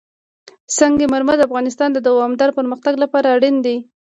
سنگ مرمر د افغانستان د دوامداره پرمختګ لپاره اړین دي.